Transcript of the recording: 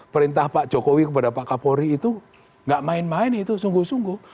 perintah pak jokowi kepada pak kapolri itu gak main main itu sungguh sungguh